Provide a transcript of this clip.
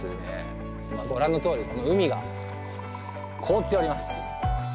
ご覧のとおりこの海が凍っております。